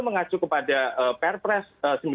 mengacu kepada perpres